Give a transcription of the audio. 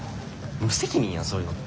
無責任やんそういうのって。